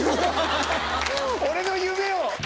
俺の夢を！